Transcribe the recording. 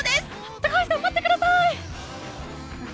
高橋さん待ってください。